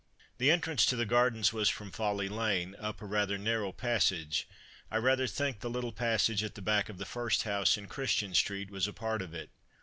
The entrance to the Gardens was from Folly lane, up a rather narrow passage. I rather think the little passage at the back of the first house in Christian street was a part of it.